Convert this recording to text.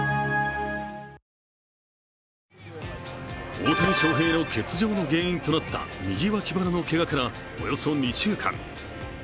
大谷翔平の欠場の原因となった右脇腹のけがからおよそ２週間。